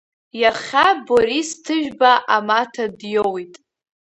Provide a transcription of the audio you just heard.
Иахьа Борис Ҭыжәба амаҭа диоуит.